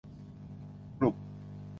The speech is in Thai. กลุ่ม